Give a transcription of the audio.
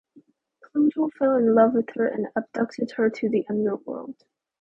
Pluto fell in love with her and abducted her to the underworld.